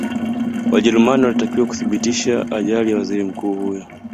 wajerumani walitakiwa kuthibitishe ajali ya waziri mkuu huyo